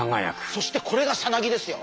そしてこれがさなぎですよ！